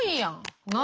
何？